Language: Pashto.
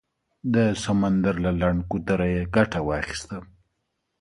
د سمندر له لنډ ګودره یې ګټه واخیسته.